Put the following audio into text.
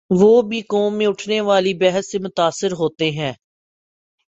وہ بھی قوم میں اٹھنے والی بحث سے متاثر ہوتے ہیں۔